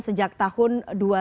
sejak tahun dua ribu tujuh belas